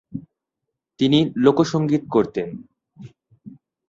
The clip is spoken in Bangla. তিনি লোকসঙ্গীত করতেন।